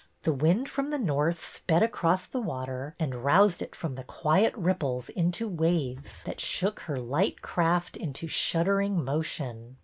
The wind from the north sped across the water and roused it from quiet ripples into waves that shook her light craft into shuddering motion.